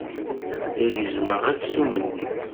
La gezzmeɣ aksum-nni.